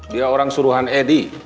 dia orang suruhan edy